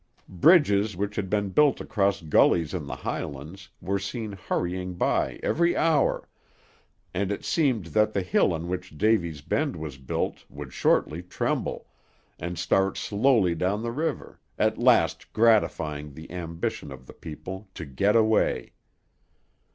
Bridges which had been built across gullies in the highlands were seen hurrying by every hour, and it seemed that the hill on which Davy's Bend was built would shortly tremble, and start slowly down the river, at last gratifying the ambition of the people to get away.